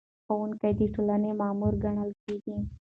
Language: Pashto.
ښوونکی د ټولنې معمار ګڼل کېږي.